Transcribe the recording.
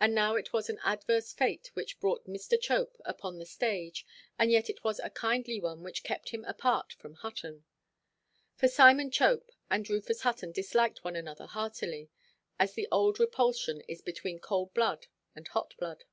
And now it was an adverse fate which brought Mr. Chope upon the stage, and yet it was a kindly one which kept him apart from Hutton. For Simon Chope and Rufus Hutton disliked one another heartily; as the old repulsion is between cold blood and hot blood.